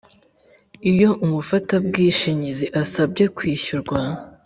Iyo umufatabwishingizi asabye kwishyurwa